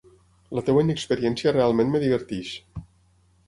La teva inexperiència realment em diverteix!